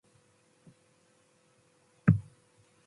¿atótsi pec ne?